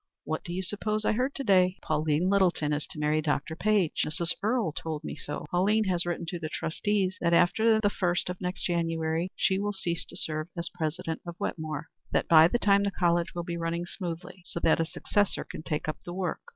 What do you suppose I heard to day? Pauline Littleton is to marry Dr. Page. Mrs. Earle told me so. Pauline has written to the trustees that after the first of next January she will cease to serve as president of Wetmore; that by that time the college will be running smoothly, so that a successor can take up the work.